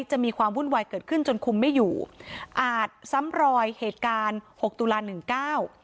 จะมีความวุ่นวายเกิดขึ้นจนคุมไม่อยู่อาจซ้ำรอยเหตุการณ์หกตุลาหนึ่งเก้า